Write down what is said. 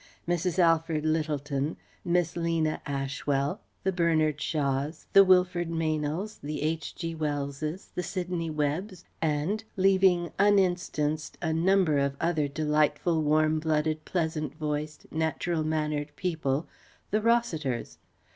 Mrs. Alfred Lyttelton, Miss Lena Ashwell, the Bernard Shaws, the Wilfred Meynells, the H.G. Wellses, the Sidney Webbs; and leaving uninstanced a number of other delightful, warm blooded, pleasant voiced, natural mannered people the Rossiters.